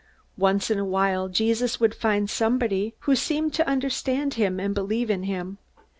Once in a while Jesus would find somebody who seemed to understand him and believe in him.